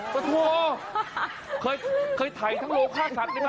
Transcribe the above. ปะโทเคยไถ่ทั้งโลก๕สัตว์ไหนไปล่ะ